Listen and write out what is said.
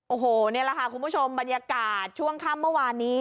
โอ้โหนี่แหละค่ะคุณผู้ชมบรรยากาศช่วงค่ำเมื่อวานนี้